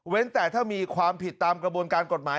แต่ถ้ามีความผิดตามกระบวนการกฎหมาย